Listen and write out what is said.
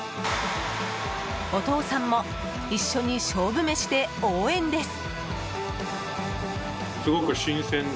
お父さんも一緒に勝負飯で応援です。